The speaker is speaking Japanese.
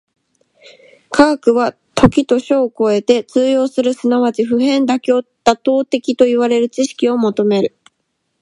科学は時と処を超えて通用する即ち普遍妥当的といわれる知識を求める。